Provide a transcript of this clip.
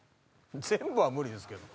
全部は無理ですけど。